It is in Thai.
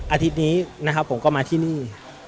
อาทิตย์นี้ผมก็มาที่นี่